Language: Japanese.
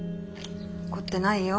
怒ってないよ。